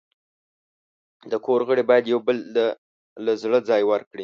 د کور غړي باید یو بل ته له زړه ځای ورکړي.